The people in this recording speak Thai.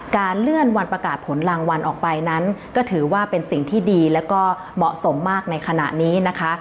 เลื่อนวันประกาศผลรางวัลออกไปนั้นก็ถือว่าเป็นสิ่งที่ดีแล้วก็เหมาะสมมากในขณะนี้นะคะ